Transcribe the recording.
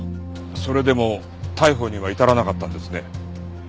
それでも逮捕には至らなかったんですね。